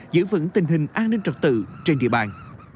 giữ vững tình hình an ninh trật tự trên địa bàn